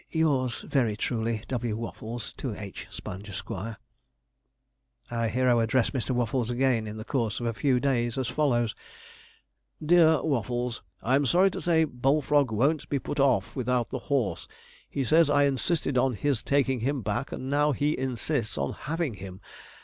'Yours very truly, 'W. WAFFLES. 'To H. SPONGE, Esq.' Our hero addressed Mr. Waffles again, in the course of a few days, as follows: 'DEAR WAFFLES, 'I am sorry to say Bullfrog won't be put off without the horse. He says I insisted on his taking him back, and now he insists on having him.